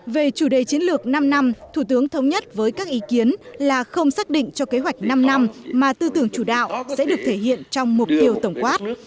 về chủ đề chiến lược năm năm thủ tướng thống nhất với các ý kiến là không xác định cho kế hoạch năm năm mà tư tưởng chủ đạo sẽ được thể hiện trong mục tiêu tổng quát